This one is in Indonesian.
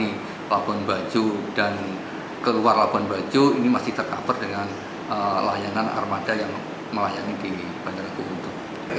di labuan bajo dan keluar labuan bajo ini masih tercover dengan layanan armada yang melayani di bandara gugu